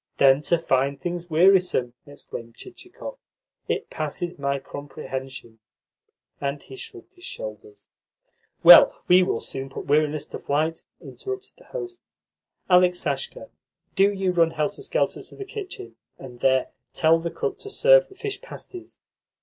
"Then to find things wearisome!" exclaimed Chichikov. "It passes my comprehension." And he shrugged his shoulders. "Well, we will soon put weariness to flight," interrupted the host. "Aleksasha, do you run helter skelter to the kitchen, and there tell the cook to serve the fish pasties.